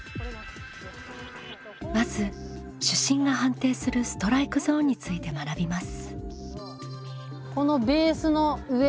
まず主審が判定するストライクゾーンについて学びます。